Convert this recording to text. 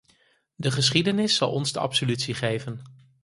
De geschiedenis zal ons de absolutie geven.